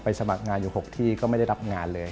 สมัครงานอยู่๖ที่ก็ไม่ได้รับงานเลย